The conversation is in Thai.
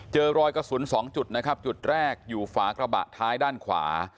เจอรอยกระสุน๒จุดนะครับจุดแรกอยู่ฝากระบะท้ายด้านขวา